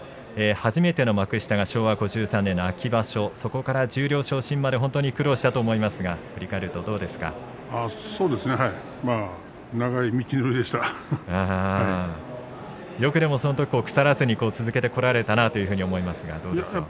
初めての幕下が昭和５３年の秋場所そこから十両昇進まで本当に苦労したと思いますがそうですねよく腐らずに続けてこられたなと思いますがどうでしょう。